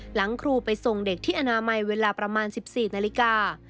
หลังครูไปส่งเด็กที่อนามัยเวลาประมาณ๑๔นาฬิกา